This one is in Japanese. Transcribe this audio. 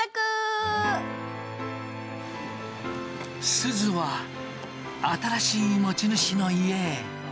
すずは新しい持ち主の家へ。